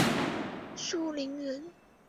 舒磷人。